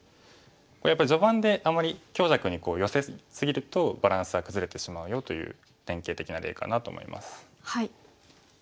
やっぱり序盤であんまり強弱に寄せ過ぎるとバランスが崩れてしまうよという典型的な例かなと思います。